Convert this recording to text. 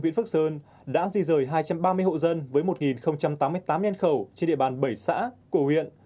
viện phước sơn đã di rời hai trăm ba mươi hộ dân với một tám mươi tám nhan khẩu trên địa bàn bảy xã của huyện